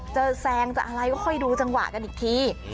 แซงจะอะไรก็ค่อยดูจังหวะกันอีกที